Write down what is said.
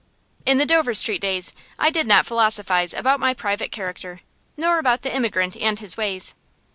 In the Dover Street days I did not philosophize about my private character, nor about the immigrant and his ways.